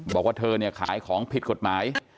บอกว่าเธอเนี่ยขายของผิดกฎหมาย